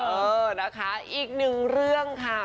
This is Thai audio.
เออนะคะอีกหนึ่งเรื่องค่ะ